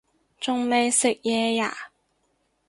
仲未食嘢呀